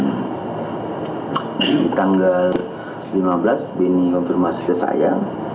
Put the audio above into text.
jadi tanggal lima belas benny konfirmasi ke saya